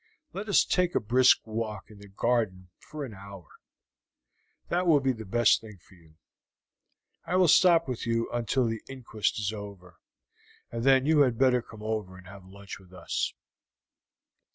Let us take a brisk walk in the garden for an hour that will be the best thing for you. I will stop with you until the inquest is over, and then you had better come over and have lunch with us."